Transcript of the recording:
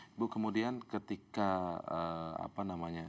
ibu kemudian ketika